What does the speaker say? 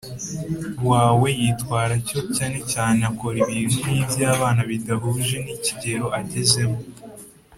Wawe yitwara atyo cyane cyane akora ibintu nk iby abana bidahuje n ikigero agezemo